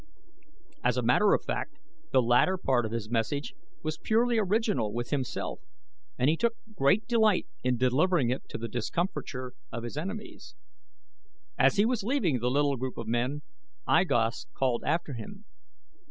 As a matter of fact the latter part of his message was purely original with himself, and he took great delight in delivering it to the discomfiture of his enemies. As he was leaving the little group of men I Gos called after him.